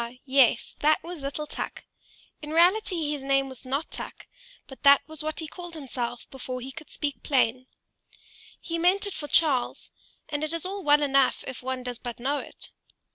yes, that was little Tuk: in reality his name was not Tuk, but that was what he called himself before he could speak plain: he meant it for Charles, and it is all well enough if one does but know it.